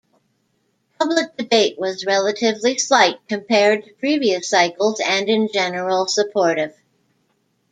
Public debate was relatively slight compared to previous cycles, and in general supportive.